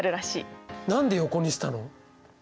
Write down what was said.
何で横にしたの？